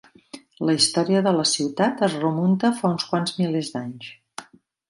La història de la ciutat es remunta fa uns quants milers d'anys.